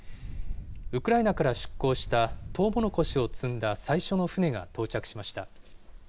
ウクライナから出港したトウモロコシを積んだ最初の船が到着しました。